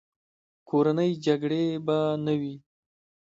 کورنۍ جګړې به نه وې.